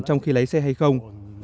trong khi lái xe hay không